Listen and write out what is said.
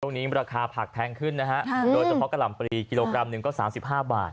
ตรงนี้ราคาผักแทงขึ้นนะฮะโดยเฉพาะกะหล่ำปีกิโลกรัมหนึ่งก็สามสิบห้าบาท